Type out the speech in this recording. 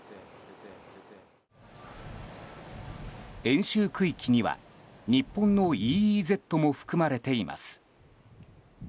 演習区域には日本のＥＥＺも含まれています。